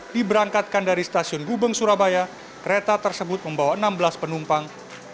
diberangkatkan dari stasiun gubeng surabaya kereta tersebut membawa enam belas penumpang